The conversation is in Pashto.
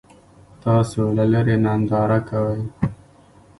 تاسو له لرې ننداره کوئ.